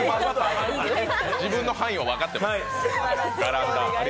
自分の範囲は分かってます。